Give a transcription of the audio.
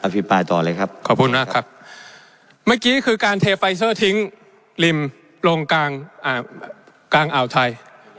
พิปรายต่อเลยครับขอบคุณมากครับเมื่อกี้คือการเทไฟเซอร์ทิ้งริมลงกลางอ่าวไทย